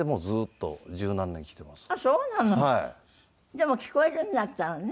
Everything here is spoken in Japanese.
でも聞こえるんだったらね。